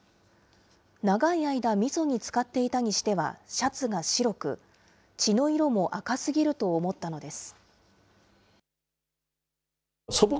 長い間、みそに漬かっていたにしてはシャツが白く、血の色も赤すぎると思ったのです。